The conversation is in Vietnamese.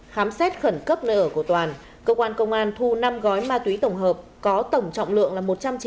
khám xét khẩn cấp nơi ở của toàn cơ quan công an thu năm gói ma túy tổng hợp có tổng trọng lượng là một trăm chín mươi